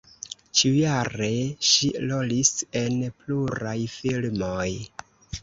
Ĉiujare ŝi rolis en pluraj filmoj.